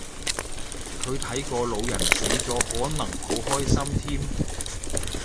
佢睇個老人死咗可能好開心添